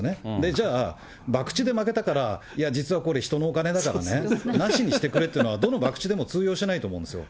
じゃあ、ばくちで負けたから、いや、実はこれ人のお金だから、なしにしてくれっていうのは、どのばくちでも通用しないと思うんですよ。